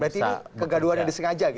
berarti ini kegaduhan yang disengaja gitu